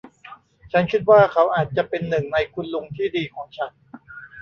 ฉันคิดว่าเขาอาจจะเป็นหนึ่งในคุณลุงที่ดีของฉัน